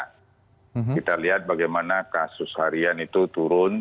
kita lihat bagaimana kasus harian itu turun